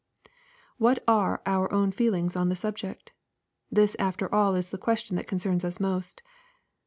What are our own feelings on the subject ? This after all is the question that concerns us most.